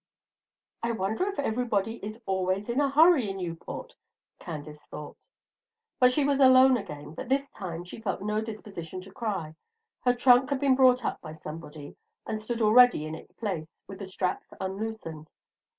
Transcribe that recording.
"I wonder if everybody is always in a hurry in Newport?" Candace thought. She was again alone, but this time she felt no disposition to cry. Her trunk had been brought up by somebody, and stood already in its place, with the straps unloosened.